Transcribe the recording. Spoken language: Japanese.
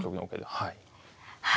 はい。